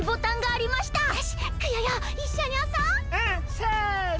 せの。